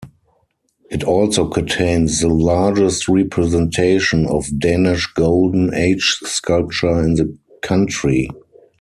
It also contains the largest representation of Danish Golden Age Sculpture in the country.